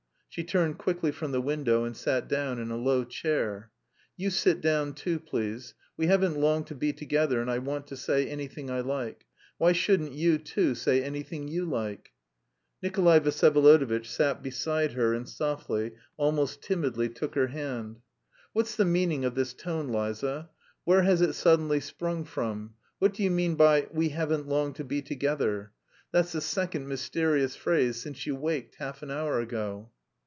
She turned quickly from the window and sat down in a low chair. "You sit down, too, please. We haven't long to be together and I want to say anything I like.... Why shouldn't you, too, say anything you like?" Nikolay Vsyevolodovitch sat beside her and softly, almost timidly took her hand. "What's the meaning of this tone, Liza? Where has it suddenly sprung from? What do you mean by 'we haven't long to be together'? That's the second mysterious phrase since you waked, half an hour ago."